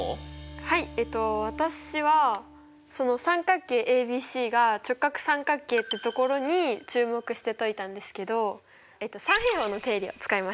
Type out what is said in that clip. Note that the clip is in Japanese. はい私は三角形ＡＢＣが直角三角形ってところに注目して解いたんですけど三平方の定理を使いました。